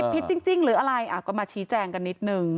ผิดจริงหรืออะไรก็มาชี้แจงกันนิดนึง